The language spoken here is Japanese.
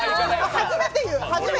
初めて言う！